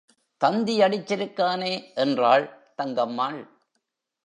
தந்தி அடிச்சிருக்கானே என்றாள் தங்கம்மாள்.